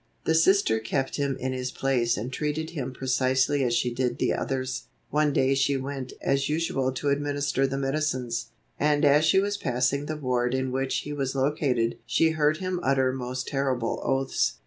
The Sister kept him in his place and treated him precisely as she did the others. One day she went as usual to administer the medicines, and as she was passing the ward in which he was located she heard him utter most terrible oaths.